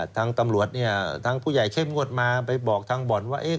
ทางตำรวจเนี่ยทางผู้ใหญ่เข้มงวดมาไปบอกทางบ่อนว่า